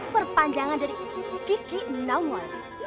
perpanjangan dari kiki nawa